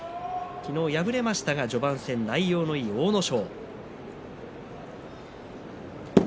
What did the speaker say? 昨日、敗れましたが序盤戦内容のいい阿武咲。